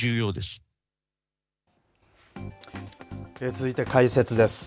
続いて、解説です。